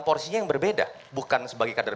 porsinya yang berbeda bukan sebagai kader